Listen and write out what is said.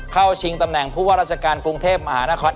เข้าชิงตำแหน่งผู้ว่าราชการกรุงเทพฯมหาหน้าคอน